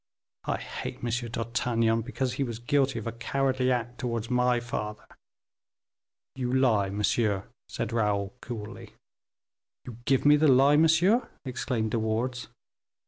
I hate M. d'Artagnan, because he was guilty of a cowardly act towards my father." "You lie, monsieur," said Raoul, coolly. "You give me the lie, monsieur?" exclaimed De Wardes.